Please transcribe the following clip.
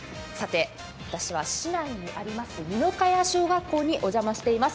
私は市内にあります小学校にお邪魔しています。